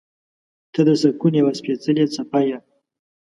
• ته د سکون یوه سپېڅلې څپه یې.